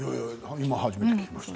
今、初めて聞きました。